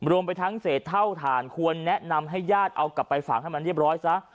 รวมไปทั้งเศษเท่าฐานควรแนะนำให้ญาติเอากลับไปฝังให้มันเรียบร้อยซะ